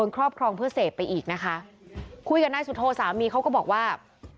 ครอบครองเพื่อเสพไปอีกนะคะคุยกับนายสุโธสามีเขาก็บอกว่า